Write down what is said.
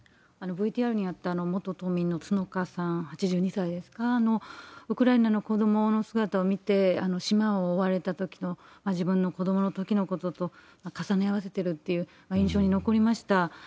ＶＴＲにもあった元島民の角鹿さん８２歳ですか、ウクライナの子どもの姿を見て、島を追われたときの自分の子どものときのことと重ね合わせてるっていう、印象に残りました。